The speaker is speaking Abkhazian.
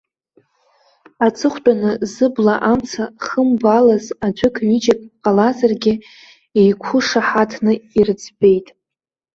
Аҵыхәтәаны, зыбла амца хымбалаз аӡәык-ҩыџьак ҟалазаргьы, еиқәышаҳаҭны ирӡбеит.